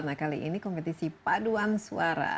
nah kali ini kompetisi paduan suara